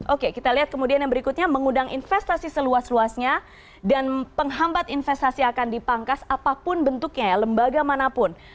oke kita lihat kemudian yang berikutnya mengundang investasi seluas luasnya dan penghambat investasi akan dipangkas apapun bentuknya ya lembaga manapun